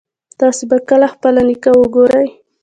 تاسو به کله خپل نیکه وګورئ